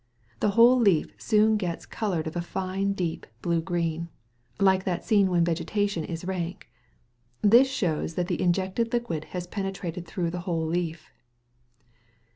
The whole leaf soon gets coloured of a fine deep blue green, like that seen when vegetation is rank; this shows that the injected liquid has penetrated through the whole leaf.